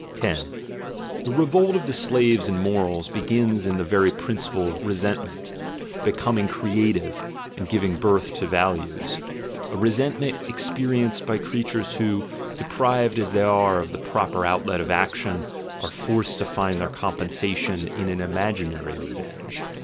10. The revolt of the slaves in morals begins in the very principle of resentment becoming creative and giving birth to values — a resentment experienced by creatures who, deprived as they are of the proper outlet of action, are forced to find their compensation in an imaginary revenge.